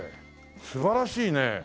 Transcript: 素晴らしいね。